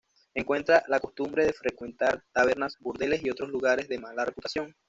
Encuentra la costumbre de frecuentar tabernas, burdeles y otros lugares de mala reputación.